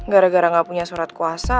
gara gara gak punya surat kuasa